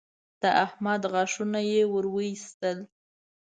د احمد غاښونه يې ور واېستل